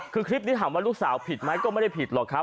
คือคลิปนี้ถามว่าลูกสาวผิดไหมก็ไม่ได้ผิดหรอกครับ